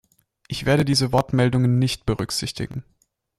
Ich werde diese Wortmeldungen nicht berücksichtigen.